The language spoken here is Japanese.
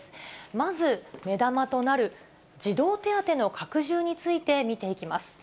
まず、目玉となる児童手当の拡充について、見ていきます。